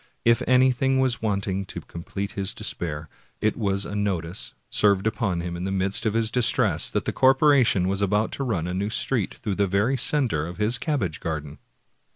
^ If anything was wanting to complete his despair, it was a notice, served upon him in the midst of his distress, that the corporation was about to run a new street through the very center of his cabbage garden.